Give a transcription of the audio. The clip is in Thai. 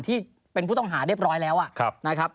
ที่เป็นผู้ต้องหาเรียบร้อยแล้วนะครับ